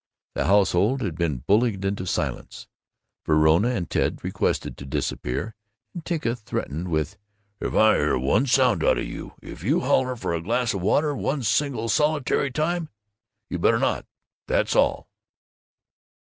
The household had been bullied into silence; Verona and Ted requested to disappear, and Tinka threatened with "If I hear one sound out of you if you holler for a glass of water one single solitary time You better not, that's all!"